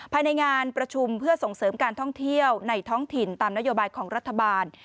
ภายในงานประชุมเพื่อส่งเสริมการท่องเที่ยวในท้องถิ่นตามนโยบายของรัฐบาล